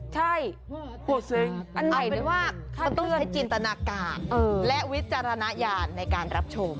ใช่เอาเป็นว่าต้องใช้จินตนาการและวิจารณญาณในการรับชม